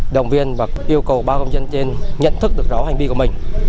đồng viên và yêu cầu bác công dân trên nhận thức được rõ hành vi của mình